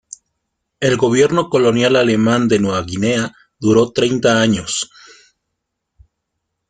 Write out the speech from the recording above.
El gobierno colonial alemán de Nueva Guinea duró treinta años.